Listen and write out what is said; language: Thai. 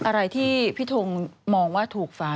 อะไรที่พี่ทงมองว่าถูกฟ้า